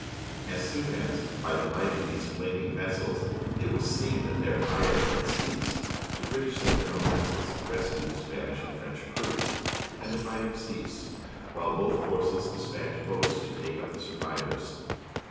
As soon as, by the light of these flaming vessels, it was seen that their fire had ceased, the British sent their own vessels to rescue the Spanish and French crews, and the fight ing ceased while both forces despatched boats to take up the survivors.